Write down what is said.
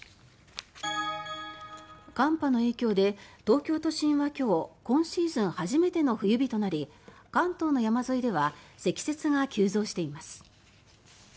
寒波の影響で東京都心は今日今シーズン初めての冬日となり関東の山沿いでは積雪が急増しています。